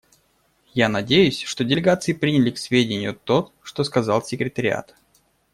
Я надеюсь, что делегации приняли к сведению то, что сказал секретариат.